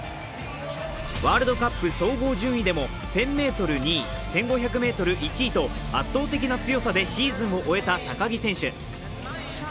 ワールドカップ総合順位でも１０００ｍ２位、１５００ｍ１位と圧倒的な強さでシーズンを終えた高木選手。